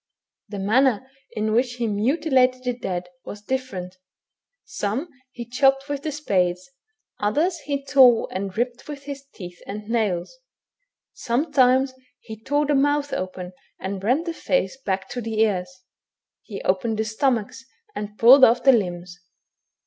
The manner in which he mutilated the dead was difierent. Some he chopped 17— o 260 THE BOOK OP WERE WOLVES. with the spade, others he tore and ripped with his teeth and nails. Sometimes he tore the mouth open and rent the face hack to the ears, he opened the stomachs, and pulled off the limhs.